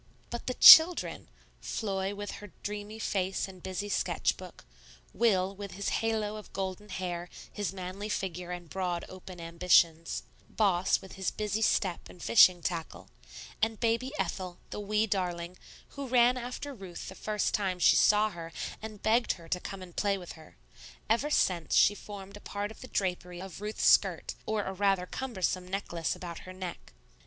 But the children! Floy with her dreamy face and busy sketch book, Will with his halo of golden hair, his manly figure and broad, open ambitions, Boss with his busy step and fishing tackle, and baby Ethel, the wee darling, who ran after Ruth the first time she saw her and begged her to come and play with her; ever since, she formed a part of the drapery of Ruth's skirt or a rather cumbersome necklace about her neck.